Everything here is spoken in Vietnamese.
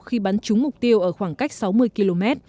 khi bắn trúng mục tiêu ở khoảng cách sáu mươi km